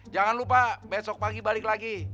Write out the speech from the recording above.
jangan lupa besok pagi balik lagi